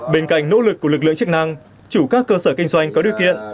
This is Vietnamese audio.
bên cạnh nỗ lực của lực lượng chức năng chủ các cơ sở kinh doanh có điều kiện